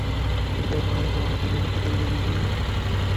কিন্তু এখন আমি বাঁ হাতে লিখি, ব্যাটিং-বোলিং করি, আব্বু কিচ্ছু বলে না।